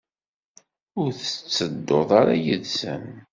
Ur tettedduḍ ara yid-sen?